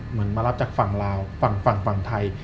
เหมือนมารับจากฝั่งลาวฝั่งฝั่งไทย